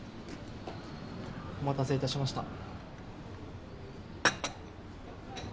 お待たせいたしました。